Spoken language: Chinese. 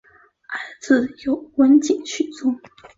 儿子有温井续宗。